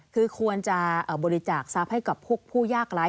คือควรจะบริจาคทรัพย์ให้กับผู้ยากร้าย